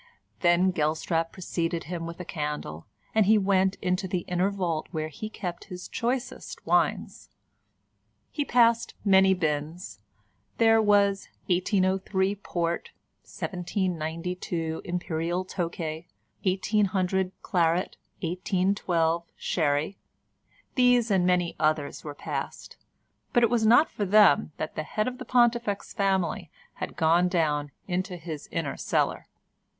Then Gelstrap preceded him with a candle, and he went into the inner vault where he kept his choicest wines. He passed many bins: there was 1803 Port, 1792 Imperial Tokay, 1800 Claret, 1812 Sherry, these and many others were passed, but it was not for them that the head of the Pontifex family had gone down into his inner cellar.